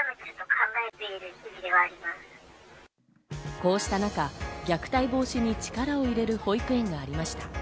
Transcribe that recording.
こうした中、虐待防止に力を入れる保育園がありました。